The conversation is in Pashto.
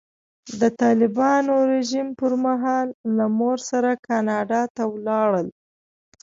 د طالبانو رژیم پر مهال له مور سره کاناډا ته ولاړل.